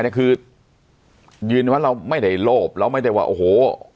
เนี่ยคือยืนยันว่าเราไม่ได้โลภเราไม่ได้ว่าโอ้โห